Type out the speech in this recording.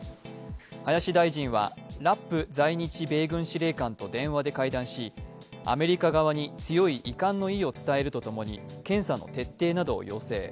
林大臣は、ラップ在日米軍司令官と電話で会談しアメリカ側に強い遺憾の意を伝えると共に検査の徹底などを要請。